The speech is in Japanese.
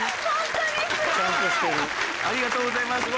ありがとうございます。